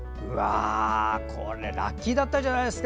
これラッキーだったじゃないですか。